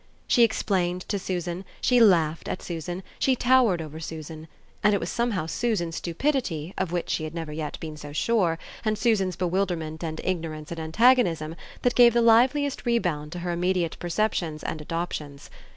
She explained to Susan, she laughed at Susan, she towered over Susan; and it was somehow Susan's stupidity, of which she had never yet been so sure, and Susan's bewilderment and ignorance and antagonism, that gave the liveliest rebound to her immediate perceptions and adoptions.